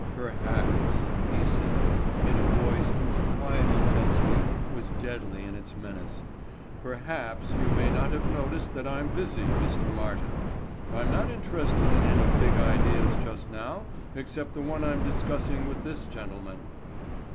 "Perhaps," he said in a voice whose quiet intensity was deadly in its menace, "perhaps you may not have noticed that I'm busy, Mr. Martin. I'm not interested in any big ideas just now except the one I'm discussing with this gentleman."